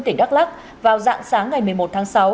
tỉnh đắk lắc vào dạng sáng ngày một mươi một tháng sáu